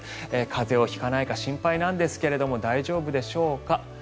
風邪を引かないか心配なんですが大丈夫でしょうか。